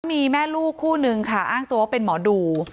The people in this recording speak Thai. มีแม่ลูกคู่นึงค่ะอ้างตัวว่าเป็นหมอดู